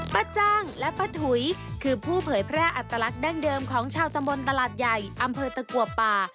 ป้าจ้างและป้าถุยคือผู้เผยแพร่อัตลักษณ์ดั้งเดิมของชาวตำบลตลาดใหญ่อำเภอตะกัวป่า